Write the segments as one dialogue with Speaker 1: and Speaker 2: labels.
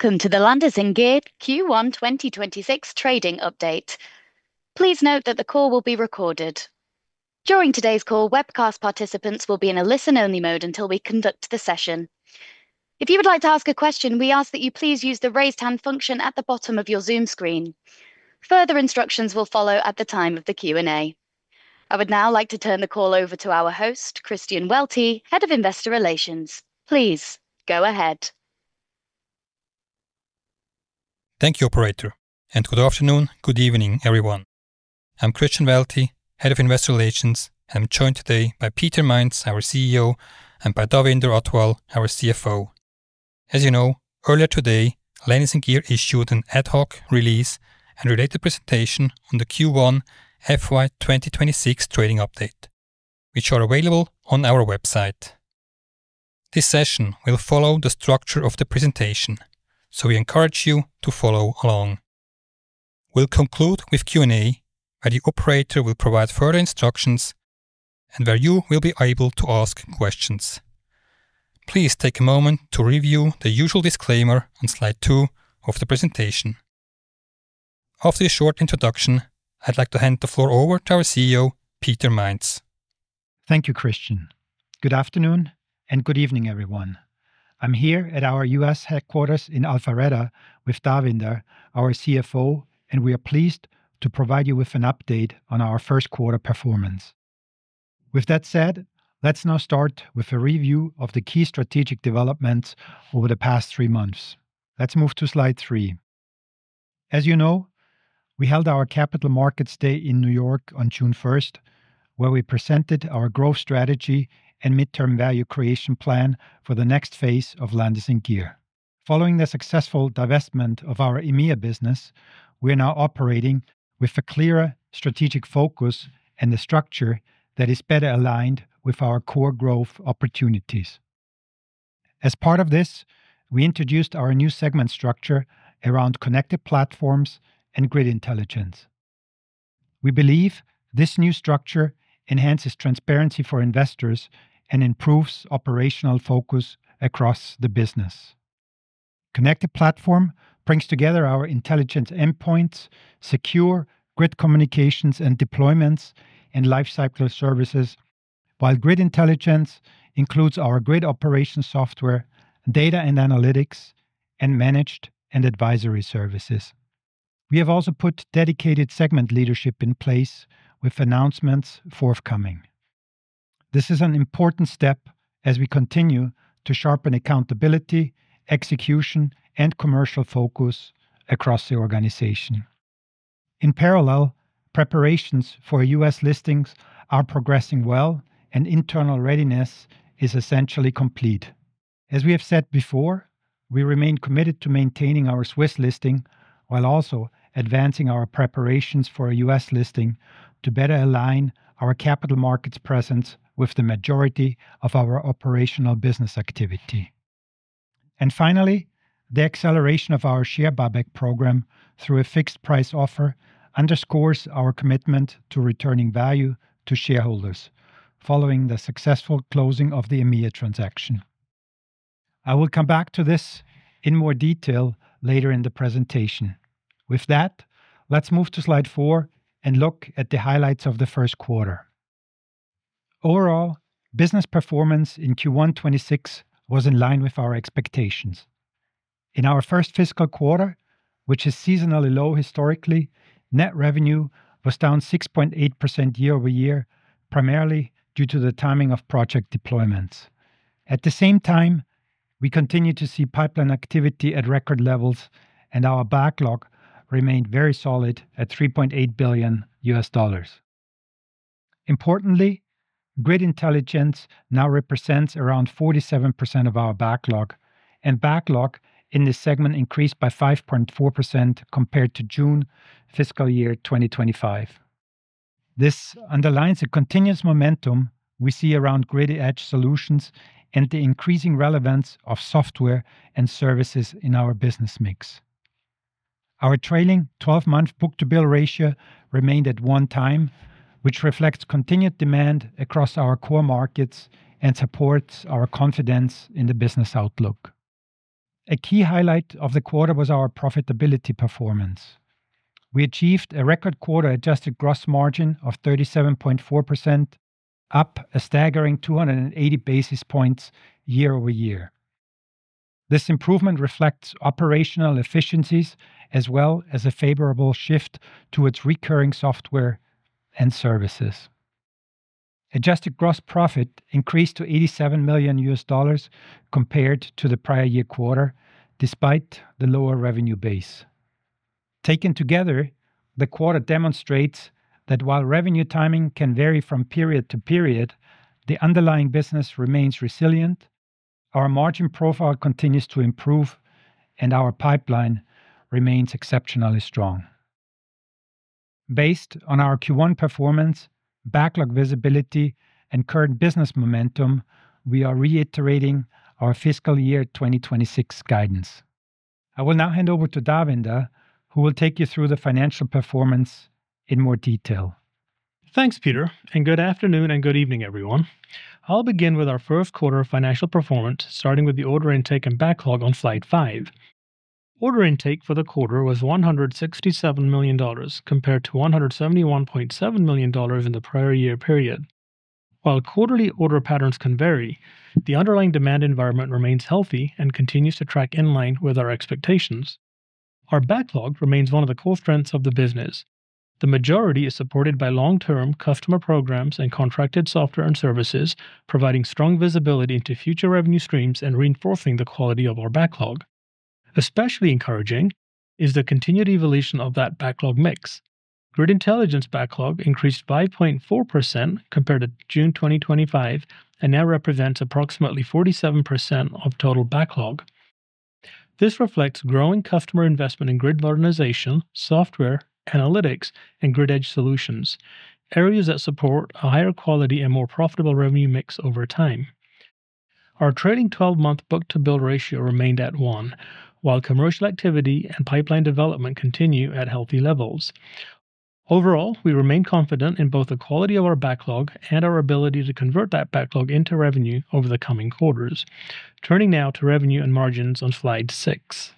Speaker 1: Welcome to the Landis+Gyr Q1 2026 trading update. Please note that the call will be recorded. During today's call, webcast participants will be in a listen-only mode until we conduct the session. If you would like to ask a question, we ask that you please use the raise hand function at the bottom of your Zoom screen. Further instructions will follow at the time of the Q&A. I would now like to turn the call over to our host, Christian Waelti, Head of Investor Relations. Please go ahead.
Speaker 2: Thank you, operator. Good afternoon, good evening, everyone. I'm Christian Waelti, Head of Investor Relations. I'm joined today by Peter Mainz, our CEO, and by Davinder Athwal, our CFO. As you know, earlier today, Landis+Gyr issued an ad hoc release and related presentation on the Q1 FY 2026 trading update, which are available on our website. This session will follow the structure of the presentation. We'll conclude with Q&A, where the operator will provide further instructions and where you will be able to ask questions. Please take a moment to review the usual disclaimer on slide two of the presentation. After a short introduction, I'd like to hand the floor over to our CEO, Peter Mainz.
Speaker 3: Thank you, Christian. Good afternoon and good evening, everyone. I'm here at our U.S. headquarters in Alpharetta with Davinder, our CFO. We are pleased to provide you with an update on our first quarter performance. With that said, let's now start with a review of the key strategic developments over the past three months. Let's move to slide three. As you know, we held our Capital Markets Day in New York on June 1st, where we presented our growth strategy and midterm value creation plan for the next phase of Landis+Gyr. Following the successful divestment of our EMEA business, we are now operating with a clearer strategic focus and a structure that is better aligned with our core growth opportunities. As part of this, we introduced our new segment structure around Connected Platforms and Grid Intelligence. We believe this new structure enhances transparency for investors and improves operational focus across the business. Connected Platforms brings together our intelligent endpoints, secure grid communications and deployments, and lifecycle services, while Grid Intelligence includes our grid operation software, data and analytics, and managed and advisory services. We have also put dedicated segment leadership in place with announcements forthcoming. This is an important step as we continue to sharpen accountability, execution, and commercial focus across the organization. In parallel, preparations for U.S. listings are progressing well and internal readiness is essentially complete. As we have said before, we remain committed to maintaining our Swiss listing while also advancing our preparations for a U.S. listing to better align our capital markets presence with the majority of our operational business activity. Finally, the acceleration of our share buyback program through a fixed price offer underscores our commitment to returning value to shareholders following the successful closing of the EMEA transaction. I will come back to this in more detail later in the presentation. With that, let's move to slide four and look at the highlights of the first quarter. Overall, business performance in Q1 2026 was in line with our expectations. In our first fiscal quarter, which is seasonally low historically, net revenue was down 6.8% year-over-year, primarily due to the timing of project deployments. At the same time, we continue to see pipeline activity at record levels, and our backlog remained very solid at $3.8 billion. Importantly, Grid Intelligence now represents around 47% of our backlog, and backlog in this segment increased by 5.4% compared to June fiscal year 2025. This underlines a continuous momentum we see around Grid Edge solutions and the increasing relevance of software and services in our business mix. Our trailing 12-month book-to-bill ratio remained at one time, which reflects continued demand across our core markets and supports our confidence in the business outlook. A key highlight of the quarter was our profitability performance. We achieved a record quarter adjusted gross margin of 37.4%, up a staggering 280 basis points year-over-year. This improvement reflects operational efficiencies as well as a favorable shift towards recurring software and services. Adjusted gross profit increased to $87 million compared to the prior year quarter, despite the lower revenue base. Taken together, the quarter demonstrates that while revenue timing can vary from period to period, the underlying business remains resilient, our margin profile continues to improve, and our pipeline remains exceptionally strong. Based on our Q1 performance, backlog visibility, and current business momentum, we are reiterating our fiscal year 2026 guidance. I will now hand over to Davinder, who will take you through the financial performance in more detail.
Speaker 4: Thanks, Peter, good afternoon and good evening, everyone. I'll begin with our first quarter financial performance, starting with the order intake and backlog on slide five. Order intake for the quarter was $167 million, compared to $171.7 million in the prior year period. While quarterly order patterns can vary, the underlying demand environment remains healthy and continues to track in line with our expectations. Our backlog remains one of the core strengths of the business. The majority is supported by long-term customer programs and contracted software and services, providing strong visibility into future revenue streams and reinforcing the quality of our backlog. Especially encouraging is the continued evolution of that backlog mix. Grid Intelligence backlog increased 5.4% compared to June 2025 and now represents approximately 47% of total backlog. This reflects growing customer investment in Grid modernization, software, analytics, and Grid Edge solutions, areas that support a higher quality and more profitable revenue mix over time. Our trailing 12-month book-to-bill ratio remained at one, while commercial activity and pipeline development continue at healthy levels. Overall, we remain confident in both the quality of our backlog and our ability to convert that backlog into revenue over the coming quarters. Turning now to revenue and margins on slide six.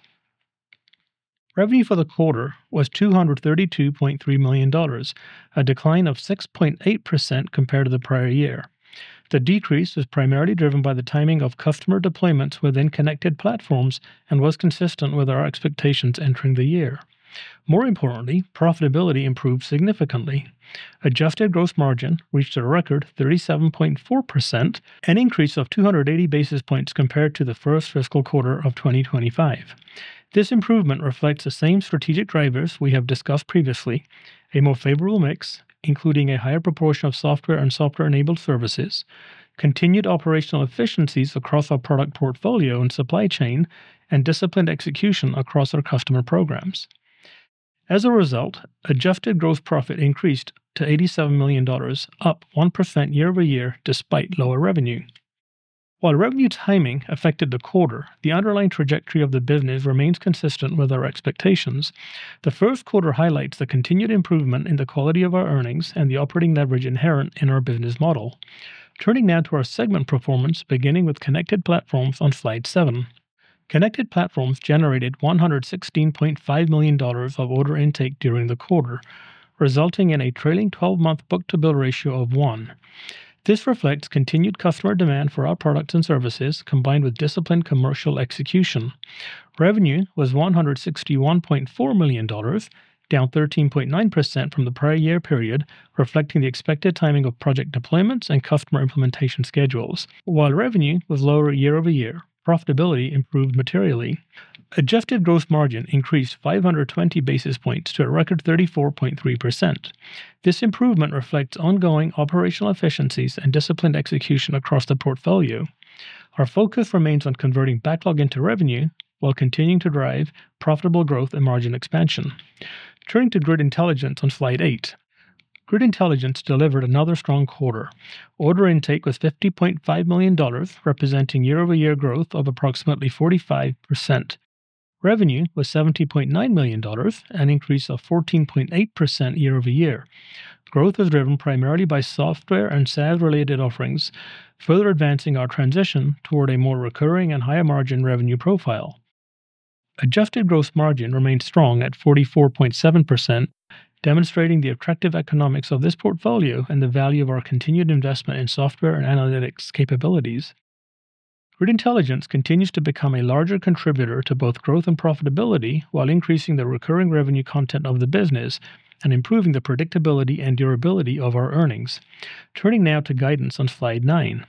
Speaker 4: Revenue for the quarter was $232.3 million, a decline of 6.8% compared to the prior year. The decrease was primarily driven by the timing of customer deployments within Connected Platforms and was consistent with our expectations entering the year. More importantly, profitability improved significantly. Adjusted gross margin reached a record 37.4%, an increase of 280 basis points compared to the first fiscal quarter of 2025. This improvement reflects the same strategic drivers we have discussed previously: a more favorable mix, including a higher proportion of software and software-enabled services, continued operational efficiencies across our product portfolio and supply chain, and disciplined execution across our customer programs. As a result, adjusted gross profit increased to $87 million, up 1% year-over-year despite lower revenue. While revenue timing affected the quarter, the underlying trajectory of the business remains consistent with our expectations. The first quarter highlights the continued improvement in the quality of our earnings and the operating leverage inherent in our business model. Turning now to our segment performance, beginning with Connected Platforms on slide seven. Connected Platforms generated $116.5 million of order intake during the quarter, resulting in a trailing 12-month book-to-bill ratio of one. This reflects continued customer demand for our products and services, combined with disciplined commercial execution. Revenue was $161.4 million, down 13.9% from the prior year-over-year period, reflecting the expected timing of project deployments and customer implementation schedules. While revenue was lower year-over-year, profitability improved materially. Adjusted gross margin increased 520 basis points to a record 34.3%. This improvement reflects ongoing operational efficiencies and disciplined execution across the portfolio. Our focus remains on converting backlog into revenue while continuing to drive profitable growth and margin expansion. Turning to Grid Intelligence on slide eight. Grid Intelligence delivered another strong quarter. Order intake was $50.5 million, representing year-over-year growth of approximately 45%. Revenue was $70.9 million, an increase of 14.8% year-over-year. Growth was driven primarily by software and SaaS-related offerings, further advancing our transition toward a more recurring and higher-margin revenue profile. Adjusted gross margin remained strong at 44.7%, demonstrating the attractive economics of this portfolio and the value of our continued investment in software and analytics capabilities. Grid Intelligence continues to become a larger contributor to both growth and profitability while increasing the recurring revenue content of the business and improving the predictability and durability of our earnings. Turning now to guidance on slide nine.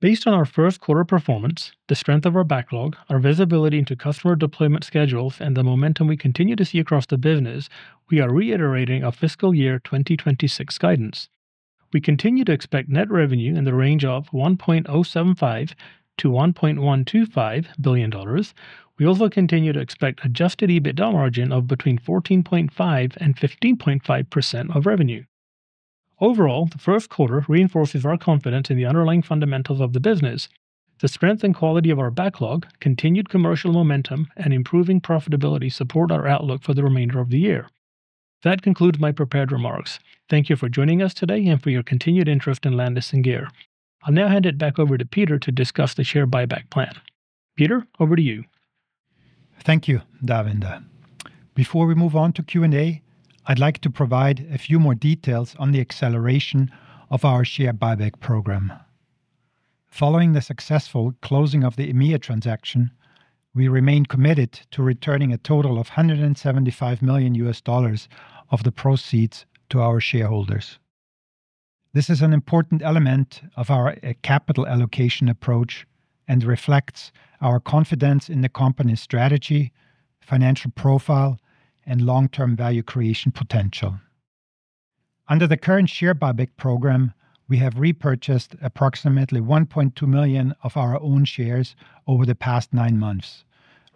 Speaker 4: Based on our first quarter performance, the strength of our backlog, our visibility into customer deployment schedules, and the momentum we continue to see across the business, we are reiterating our fiscal year 2026 guidance. We continue to expect net revenue in the range of $1.075 billion-$1.125 billion. We also continue to expect adjusted EBITDA margin of between 14.5% and 15.5% of revenue. Overall, the first quarter reinforces our confidence in the underlying fundamentals of the business. The strength and quality of our backlog, continued commercial momentum, and improving profitability support our outlook for the remainder of the year. That concludes my prepared remarks. Thank you for joining us today and for your continued interest in Landis+Gyr. I'll now hand it back over to Peter to discuss the share buyback plan. Peter, over to you.
Speaker 3: Thank you, Davinder. Before we move on to Q&A, I'd like to provide a few more details on the acceleration of our share buyback program. Following the successful closing of the EMEA transaction, we remain committed to returning a total of $175 million of the proceeds to our shareholders. This is an important element of our capital allocation approach and reflects our confidence in the company's strategy, financial profile, and long-term value creation potential. Under the current share buyback program, we have repurchased approximately 1.2 million of our own shares over the past nine months,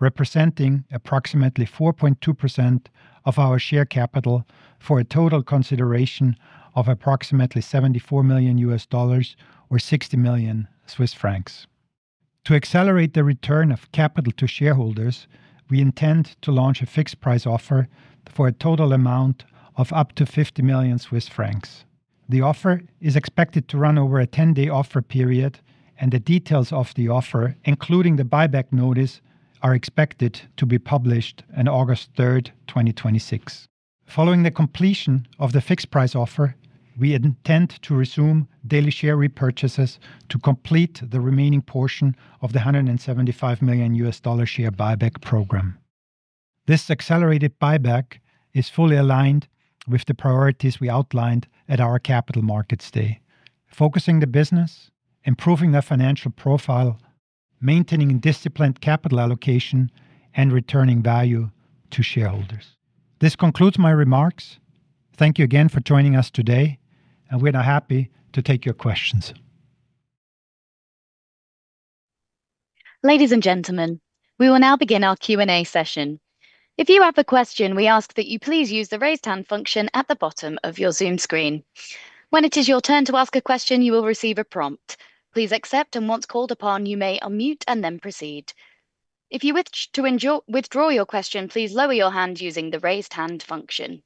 Speaker 3: representing approximately 4.2% of our share capital for a total consideration of approximately $74 million, or 60 million Swiss francs. To accelerate the return of capital to shareholders, we intend to launch a fixed price offer for a total amount of up to 50 million Swiss francs. The offer is expected to run over a 10-day offer period. The details of the offer, including the buyback notice, are expected to be published in August 3rd, 2026. Following the completion of the fixed price offer, we intend to resume daily share repurchases to complete the remaining portion of the $175 million share buyback program. This accelerated buyback is fully aligned with the priorities we outlined at our Capital Markets Day: focusing the business, improving the financial profile, maintaining disciplined capital allocation, and returning value to shareholders. This concludes my remarks. Thank you again for joining us today. We are now happy to take your questions.
Speaker 1: Ladies and gentlemen, we will now begin our Q&A session. If you have a question, we ask that you please use the raise hand function at the bottom of your Zoom screen. When it is your turn to ask a question, you will receive a prompt. Please accept. Once called upon, you may unmute and then proceed. If you wish to withdraw your question, please lower your hand using the raise hand function.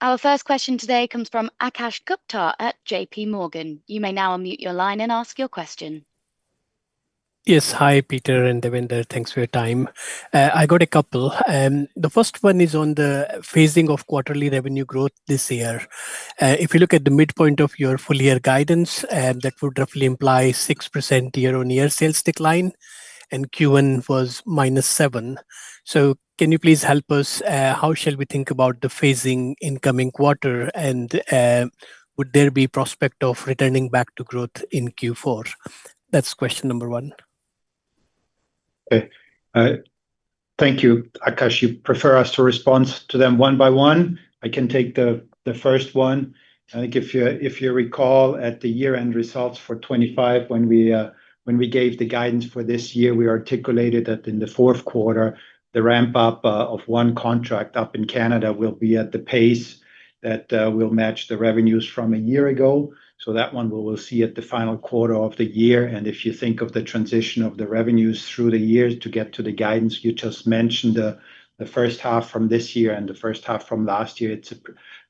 Speaker 1: Our first question today comes from Akash Gupta at JPMorgan. You may now unmute your line and ask your question.
Speaker 5: Yes. Hi, Peter and Davinder. Thanks for your time. I got a couple. The first one is on the phasing of quarterly revenue growth this year. If you look at the midpoint of your full year guidance, that would roughly imply 6% year-over-year sales decline, and Q1 was -7%. Can you please help us, how shall we think about the phasing incoming quarter, and would there be prospect of returning back to growth in Q4? That's question number one.
Speaker 3: Okay. Thank you. Akash, you prefer us to respond to them one by one? I can take the first one. I think if you recall at the year-end results for 2025, when we gave the guidance for this year, we articulated that in the fourth quarter, the ramp-up of one contract up in Canada will be at the pace that will match the revenues from a year ago. That one, we will see at the final quarter of the year. If you think of the transition of the revenues through the year to get to the guidance you just mentioned, the first half from this year and the first half from last year, it's a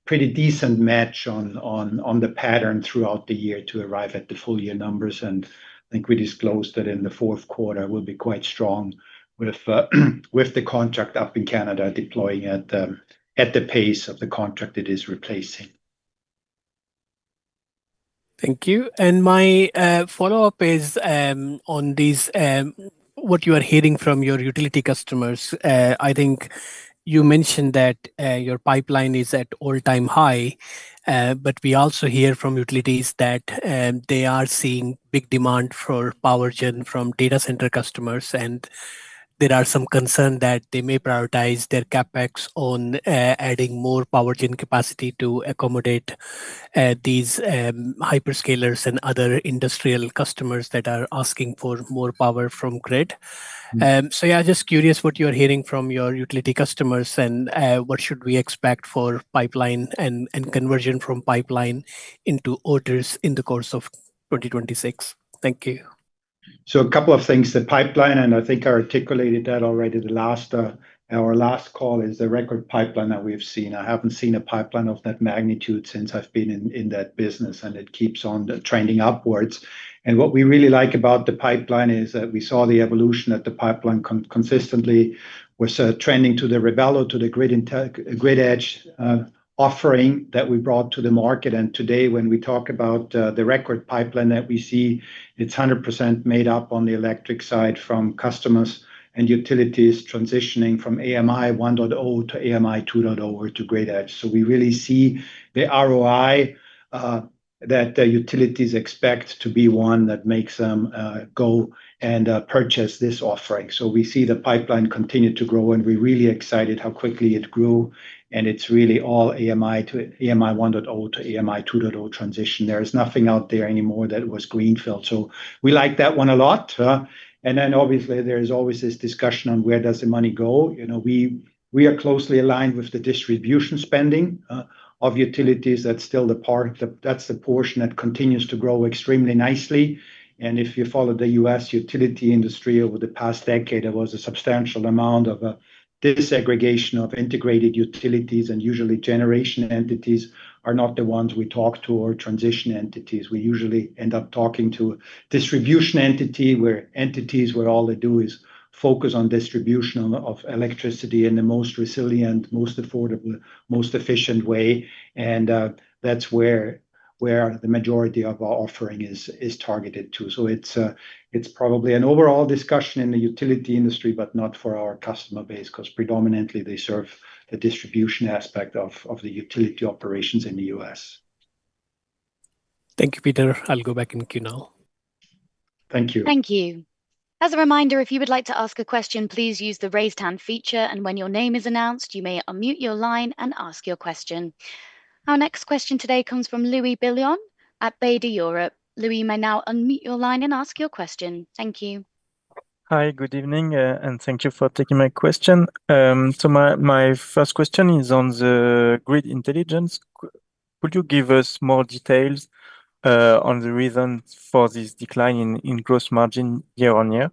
Speaker 3: pretty decent match on the pattern throughout the year to arrive at the full year numbers. I think we disclosed that in the fourth quarter, we'll be quite strong with the contract up in Canada deploying at the pace of the contract it is replacing.
Speaker 5: Thank you. My follow-up is on what you are hearing from your utility customers. I think you mentioned that your pipeline is at all-time high. We also hear from utilities that they are seeing big demand for power gen from data center customers, and there are some concern that they may prioritize their CapEx on adding more power gen capacity to accommodate these hyperscalers and other industrial customers that are asking for more power from grid. Just curious what you are hearing from your utility customers and what should we expect for pipeline and conversion from pipeline into orders in the course of 2026. Thank you.
Speaker 3: A couple of things. The pipeline, I think I articulated that already in our last call, is the record pipeline that we've seen. I haven't seen a pipeline of that magnitude since I've been in that business, it keeps on trending upwards. What we really like about the pipeline is that we saw the evolution that the pipeline consistently was trending to the Revelo, to the Grid Edge offering that we brought to the market. Today, when we talk about the record pipeline that we see, it's 100% made up on the electric side from customers and utilities transitioning from AMI 1.0 to AMI 2.0 or to Grid Edge. We really see the ROI that the utilities expect to be one that makes them go and purchase this offering. We see the pipeline continue to grow, and we're really excited how quickly it grew, and it's really all AMI 1.0 to AMI 2.0 transition. There is nothing out there anymore that was greenfield. We like that one a lot. Obviously, there is always this discussion on where does the money go. We are closely aligned with the distribution spending of utilities. That's the portion that continues to grow extremely nicely. If you follow the U.S. utility industry over the past decade, there was a substantial amount of a desegregation of integrated utilities, usually generation entities are not the ones we talk to or transition entities. We usually end up talking to distribution entities where all they do is focus on distribution of electricity in the most resilient, most affordable, most efficient way. That's where the majority of our offering is targeted to. It's probably an overall discussion in the utility industry, but not for our customer base because predominantly they serve the distribution aspect of the utility operations in the U.S.
Speaker 5: Thank you, Peter. I'll go back in queue now.
Speaker 3: Thank you.
Speaker 1: Thank you. As a reminder, if you would like to ask a question, please use the raise hand feature, and when your name is announced, you may unmute your line and ask your question. Our next question today comes from Louis Billon at Baader Europe. Louis, you may now unmute your line and ask your question. Thank you.
Speaker 6: Hi, good evening, and thank you for taking my question. My first question is on the Grid Intelligence. Could you give us more details on the reason for this decline in gross margin year-on-year?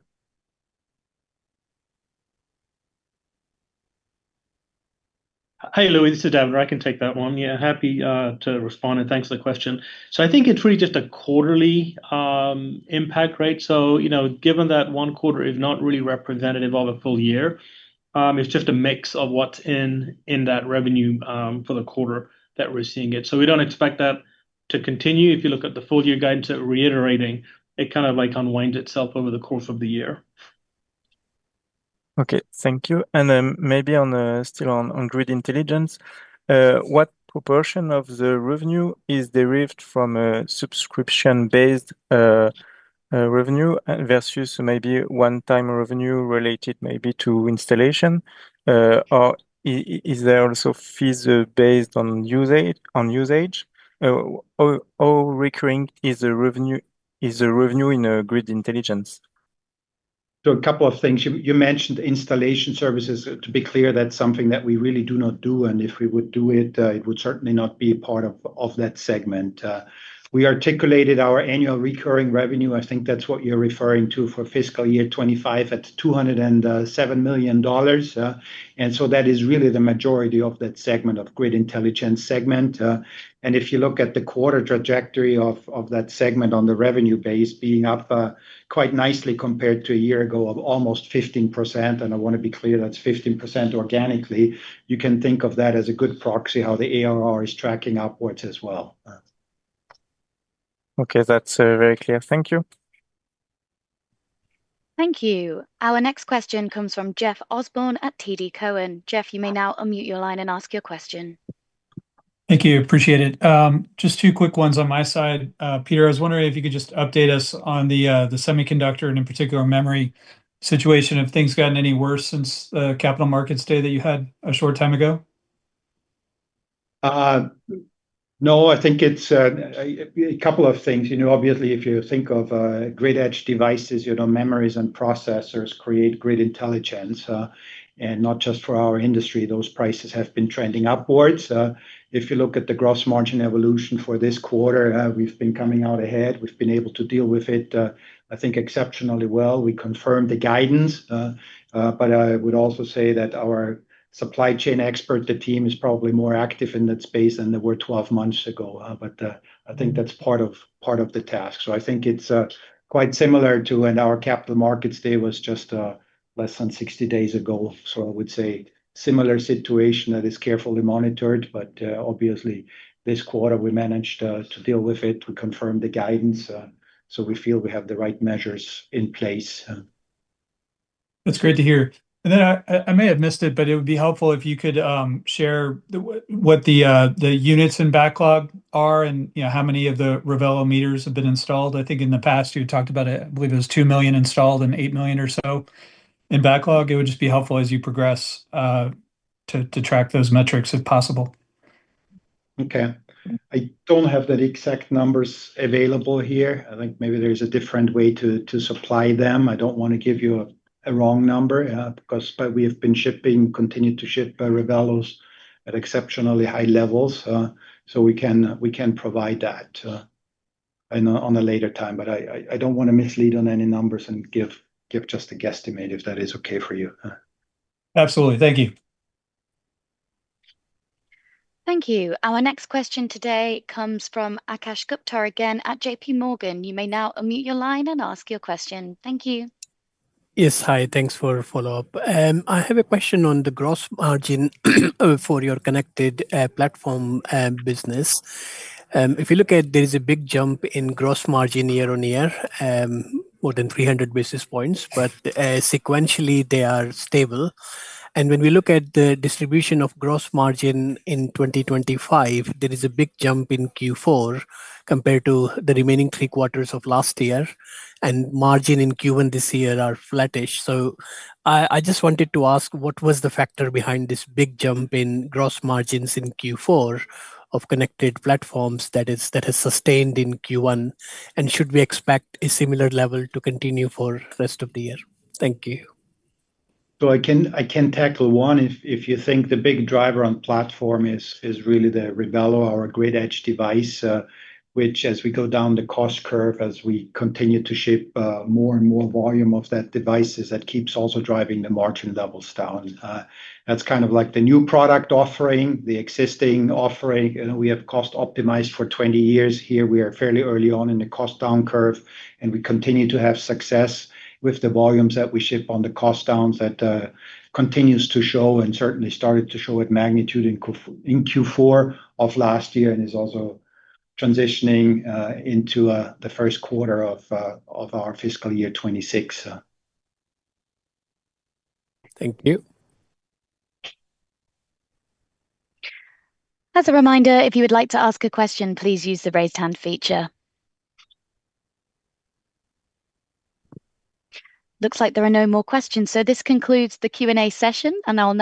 Speaker 4: Hey, Louis, this is Davinder. I can take that one. Happy to respond, and thanks for the question. I think it's really just a quarterly impact rate. Given that one quarter is not really representative of a full year, it's just a mix of what's in that revenue for the quarter that we're seeing it. We don't expect that to continue. If you look at the full-year guidance that we're reiterating, it kind of unwinds itself over the course of the year.
Speaker 6: Okay, thank you. Then maybe still on Grid Intelligence, what proportion of the revenue is derived from a subscription-based revenue versus maybe one-time revenue related maybe to installation? Is there also fees based on usage? How recurring is the revenue in Grid Intelligence?
Speaker 3: A couple of things. You mentioned installation services. To be clear, that is something that we really do not do, and if we would do it would certainly not be a part of that segment. We articulated our annual recurring revenue, I think that is what you are referring to, for FY 2025 at $207 million. So that is really the majority of that segment of Grid Intelligence segment. If you look at the quarter trajectory of that segment on the revenue base being up quite nicely compared to a year ago of almost 15%, and I want to be clear, that is 15% organically. You can think of that as a good proxy, how the ARR is tracking upwards as well.
Speaker 6: Okay, that is very clear. Thank you.
Speaker 1: Thank you. Our next question comes from Jeff Osborne at TD Cowen. Jeff, you may now unmute your line and ask your question.
Speaker 7: Thank you. Appreciate it. Just two quick ones on my side. Peter, I was wondering if you could just update us on the semiconductor and, in particular, memory situation. Have things gotten any worse since Capital Markets Day that you had a short time ago?
Speaker 3: No, I think it's a couple of things. Obviously, if you think of Grid Edge devices, memories and processors create Grid Intelligence. Not just for our industry, those prices have been trending upwards. If you look at the gross margin evolution for this quarter, we've been coming out ahead. We've been able to deal with it, I think, exceptionally well. We confirmed the guidance. I would also say that our supply chain expert team is probably more active in that space than they were 12 months ago. I think that's part of the task. I think it's quite similar to when our Capital Markets Day was just less than 60 days ago. I would say similar situation that is carefully monitored, but obviously this quarter we managed to deal with it. We confirmed the guidance. We feel we have the right measures in place.
Speaker 7: That's great to hear. I may have missed it, but it would be helpful if you could share what the units in backlog are and how many of the Revelo meters have been installed. I think in the past you talked about, I believe it was $2 million installed and $8 million or so in backlog. It would just be helpful as you progress to track those metrics if possible.
Speaker 3: Okay. I don't have that exact numbers available here. I think maybe there's a different way to supply them. I don't want to give you a wrong number. We have been shipping, continue to ship Revellos at exceptionally high levels. We can provide that on a later time. I don't want to mislead on any numbers and give just a guesstimate, if that is okay for you.
Speaker 7: Absolutely. Thank you.
Speaker 1: Thank you. Our next question today comes from Akash Gupta again at JPMorgan. You may now unmute your line and ask your question. Thank you.
Speaker 5: Yes. Hi. Thanks for the follow-up. I have a question on the gross margin for your Connected Platforms business. If you look at there is a big jump in gross margin year-over-year, more than 300 basis points, but sequentially they are stable. When we look at the distribution of gross margin in 2025, there is a big jump in Q4 compared to the remaining three quarters of last year, and margin in Q1 this year are flattish. I just wanted to ask, what was the factor behind this big jump in gross margins in Q4 of Connected Platforms that has sustained in Q1? Should we expect a similar level to continue for rest of the year? Thank you.
Speaker 3: I can tackle one. If you think the big driver on platform is really the Revelo, our Grid Edge device, which as we go down the cost curve, as we continue to ship more and more volume of that devices, that keeps also driving the margin levels down. That's kind of like the new product offering, the existing offering. We have cost optimized for 20 years here. We are fairly early on in the cost down curve, we continue to have success with the volumes that we ship on the cost downs that continues to show and certainly started to show at magnitude in Q4 of last year and is also transitioning into the first quarter of our fiscal year 2026.
Speaker 5: Thank you.
Speaker 1: As a reminder, if you would like to ask a question, please use the raise hand feature. Looks like there are no more questions, so this concludes the Q&A session, and I'll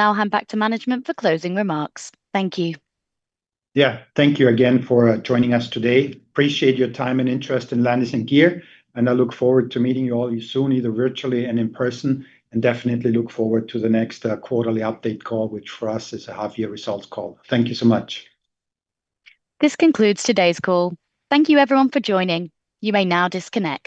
Speaker 1: now hand back to management for closing remarks. Thank you.
Speaker 3: Thank you again for joining us today. Appreciate your time and interest in Landis+Gyr, and I look forward to meeting all you soon, either virtually and in person, and definitely look forward to the next quarterly update call, which for us is a half-year results call. Thank you so much.
Speaker 1: This concludes today's call. Thank you everyone for joining. You may now disconnect.